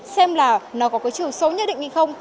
xem là nó có cái chiều số nhất định hay không